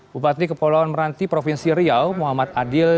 bupati kepulauan meranti provinsi riau muhammad adil